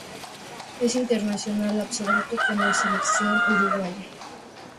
Es internacional absoluto con la selección uruguaya.